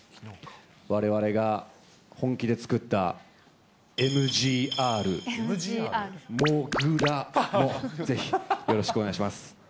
われわれが本気で作ったＭＧＲ、土竜もぜひ、よろしくお願いしま